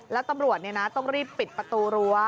แล้วตำรวจต้องรีบปิดประตูรั้ว